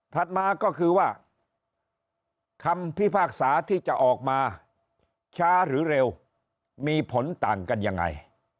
มาก็คือว่าคำพิพากษาที่จะออกมาช้าหรือเร็วมีผลต่างกันยังไง